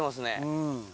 うん。